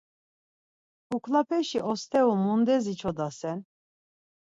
Kuklapeşi osteru mundes içodasen?